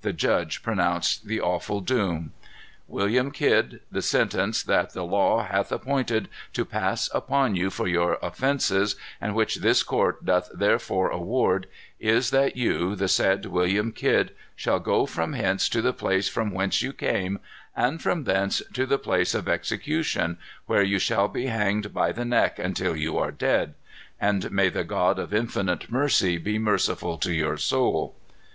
The judge pronounced the awful doom: "William Kidd, the sentence that the law hath appointed to pass upon you for your offences, and which this court doth therefore award, is, that you, the said William Kidd, shall go from hence to the place from whence you came, and from thence to the place of execution, where you shall be hanged by the neck until you are dead. And may the God of infinite mercy be merciful to your soul."